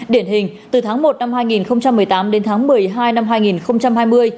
điển hình từ tháng một năm hai nghìn một mươi tám đến tháng một mươi hai năm hai nghìn hai mươi